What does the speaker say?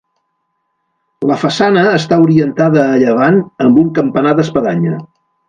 La façana està orientada a llevant amb un campanar d'espadanya.